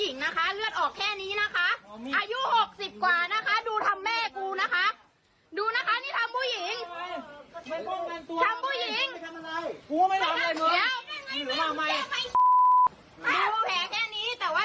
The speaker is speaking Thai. นี่นะคะ